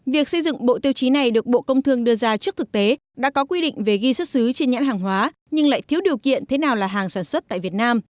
việc xây dựng bộ tiêu chí này được bộ công thương đưa ra trước thực tế đã có quy định về ghi xuất xứ trên nhãn hàng hóa nhưng lại thiếu điều kiện thế nào là hàng sản xuất tại việt nam